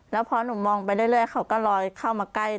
แล้วพอหนูมองไปเรื่อยเขาก็ลอยเข้ามาใกล้